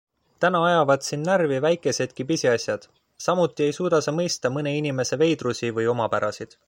Täna ajavad sind närvi väikesedki pisiasjad, samuti ei suuda sa mõista mõne inimese veidrusi või omapärasid.